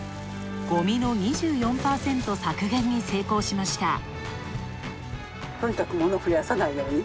ごみの２４％削減に成功しました。